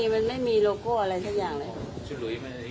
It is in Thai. มันไม่มีโลโก้อะไรสักอย่างเลย